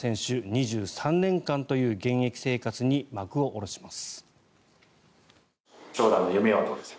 ２３年間という現役生活に幕を下ろします。